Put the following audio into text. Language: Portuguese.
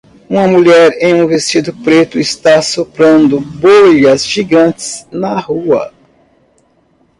Uma mulher em um vestido preto está soprando bolhas gigantes na rua.